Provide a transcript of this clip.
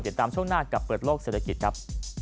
เดี๋ยวตามช่วงหน้ากลับเปิดโลกเศรษฐกิจครับ